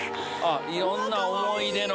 いろんな思い出の。